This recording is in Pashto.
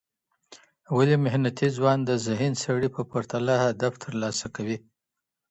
ولي محنتي ځوان د ذهین سړي په پرتله هدف ترلاسه کوي؟